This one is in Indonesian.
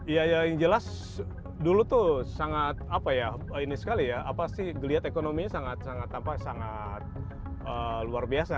ya yang jelas dulu tuh sangat apa ya ini sekali ya apa sih geliat ekonominya sangat sangat luar biasa